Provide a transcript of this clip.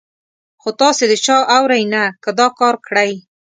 خو تاسې د چا اورئ نه، که دا کار کړئ.